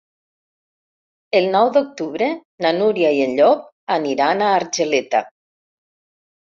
El nou d'octubre na Núria i en Llop aniran a Argeleta.